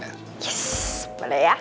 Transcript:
yes boleh ya